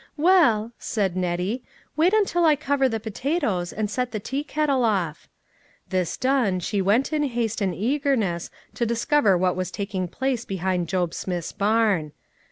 " Well," said Nettie, u wait until I cover the potatoes, and set the teakettle off." This done she went in haste and eagerness to discover what was taking place behind Job Smith's barn.